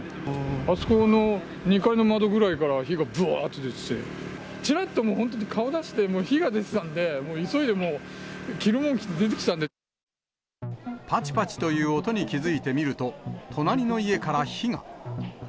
あそこの２階の窓ぐらいから火がぶわーっと出てて、ちらっと本当に顔出して、火が出てたんで、もう急いで、ぱちぱちという音に気付いて見ると、隣の家から火が。